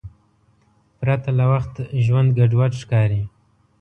پرته له وخت ژوند ګډوډ ښکاري.